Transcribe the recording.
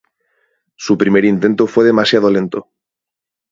Su primer intento fue demasiado lento.